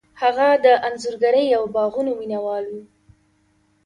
هغه د انځورګرۍ او باغونو مینه وال و.